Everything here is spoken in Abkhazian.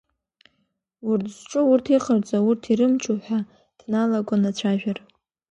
Урҭ зҿу, урҭ иҟарҵо, урҭ ирымчу ҳәа дналагон ацәажәара.